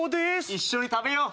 一緒に食べよう。